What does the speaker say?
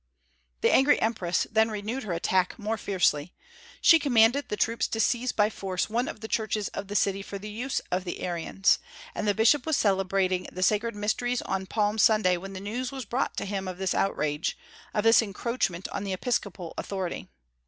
The angry empress then renewed her attack more fiercely. She commanded the troops to seize by force one of the churches of the city for the use of the Arians; and the bishop was celebrating the sacred mysteries on Palm Sunday when news was brought to him of this outrage, of this encroachment on the episcopal authority.